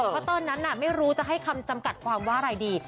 เพราะตอนนั้นไม่รู้จะให้คำจำกัดความว่าอะไรดี